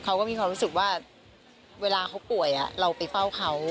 เขาก็มีความรู้สึกว่าเวลาเขาป่วยเราไปเฝ้าเขา